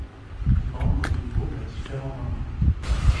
Membres du groupe à différents moments.